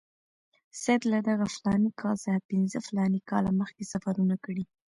سید له دغه فلاني کال څخه پنځه فلاني کاله مخکې سفرونه کړي.